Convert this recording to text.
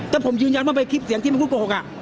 ถ้าผมยืนยันว่าเป็นคลิปเสียงที่มันพูดโกหก